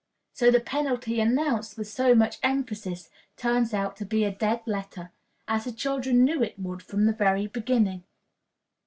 So the penalty announced with so much emphasis turns out to be a dead letter, as the children knew it would from the beginning.